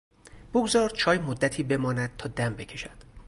بگذار چای مدتی بماند تا دم بکشد.